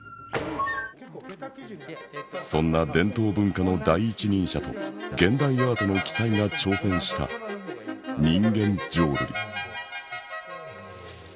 そんな伝統文化の第一人者と現代アートの鬼才が挑戦した人間浄瑠璃。